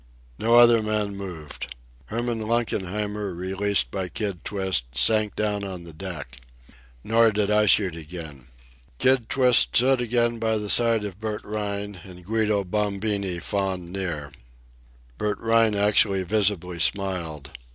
No other man moved. Herman Lunkenheimer, released by Kid Twist, sank down on the deck. Nor did I shoot again. Kid Twist stood again by the side of Bert Rhine and Guido Bombini fawned near. Bert Rhine actually visibly smiled.